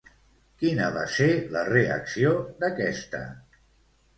Quina va ser la reacció d'aquesta?